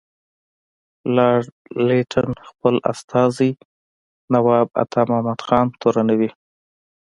لارډ لیټن خپل استازی نواب عطامحمد خان تورنوي.